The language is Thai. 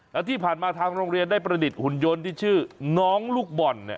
แล้วที่ผ่านมาทางโรงเรียนได้ประดิษฐ์หุ่นยนต์ที่ชื่อน้องลูกบ่อน